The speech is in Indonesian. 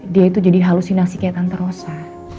dia itu jadi halusinasi kayak tante rosa